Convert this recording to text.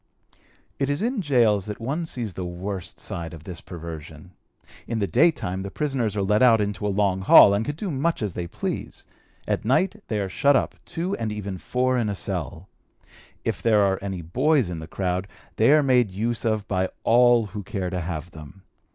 It is in gaols that one sees the worst side of this perversion. In the daytime the prisoners are let out into a long hall, and can do much as they please; at night they are shut up, two and even four in a cell. If there are any boys in the crowd, they are made use of by all who care to have them.